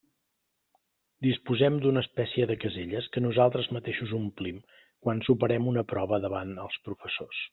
Disposem d'una espècie de caselles que nosaltres mateixos omplim quan superem una prova davant els professors.